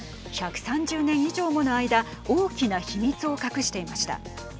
１３０年以上もの間大きな秘密を隠していました。